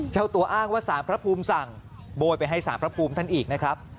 เจ้าตัวอ้างว่าสารพระภูมิสั่งโบยไปให้สารพระภูมิท่านอีกนะครับ